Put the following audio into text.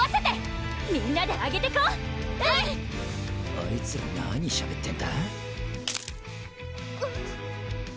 あいつら何しゃべってんだ？